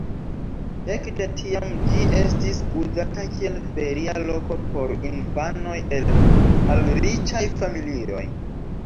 Ek de tiam ĝi estis uzata kiel feria loko por infanoj el malriĉaj familioj.